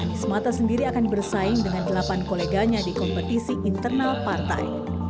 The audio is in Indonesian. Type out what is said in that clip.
anies mata sendiri akan bersaing dengan delapan koleganya di kompetisi internal partai